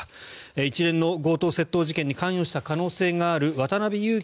一連の強盗・窃盗事件に関与した可能性がある渡邉優樹